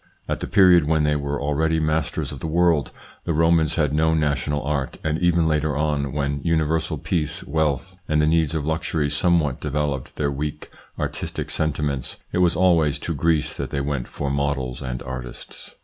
At the period when they were already masters of the world, the Romans had no national art, and even later on, when universal peace, wealth, and the needs of luxury somewhat developed their weak, artistic sentiments, it was always to Greece that they went for models and artists.